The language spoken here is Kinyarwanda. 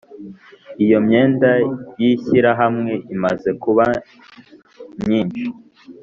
Iyo imyenda y Ishyirahamwe imaze kuba nyinshi